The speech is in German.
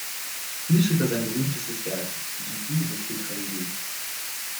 Hier schrieb er sein berühmtestes Werk, die Buru-Tetralogie.